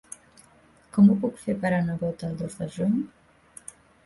Com ho puc fer per anar a Bot el dos de juny?